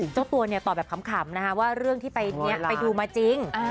เจ้าตัวเนี่ยตอบแบบขำนะฮะว่าเรื่องที่ไปเนี่ยไปดูมาจริง